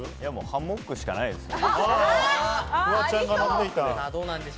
ハンモックしかないですね。